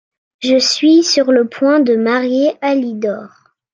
Je suis sur le point de marier Alidor…